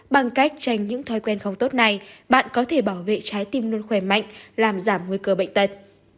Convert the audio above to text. bằng cách tranh những thói quen không tốt này bạn có thể bảo vệ trái tim luôn khỏe mạnh làm giảm nguy cơ bệnh tật